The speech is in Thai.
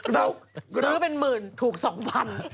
ซื้อเป็นหมื่นถูกสองพัน